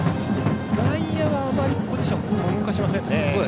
外野はあまりポジション動かしませんね。